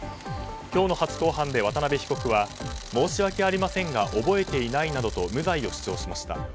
今日の初公判で渡部被告は申し訳ありませんが覚えていないなどと無罪を主張しました。